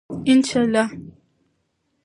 ان شاء الله.